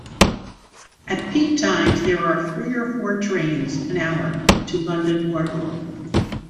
At peak times there are three or four trains an hour to London Waterloo.